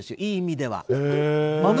いい意味では。